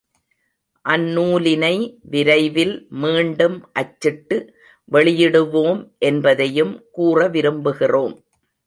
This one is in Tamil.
அந்நூலினை விரைவில் மீண்டும் அச்சிட்டு வெளியிடுவோம் என்பதையும் கூற விரும்புகிறோம்.